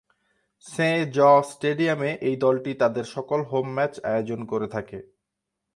সেঁ-জঁ স্টেডিয়ামে এই দলটি তাদের সকল হোম ম্যাচ আয়োজন করে থাকে।